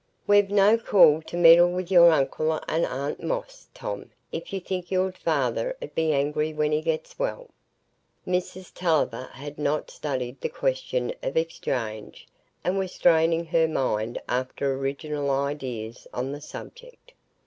We've no call to meddle with your uncle and aunt Moss, Tom, if you think your father 'ud be angry when he gets well." Mrs Tulliver had not studied the question of exchange, and was straining her mind after original ideas on the subject.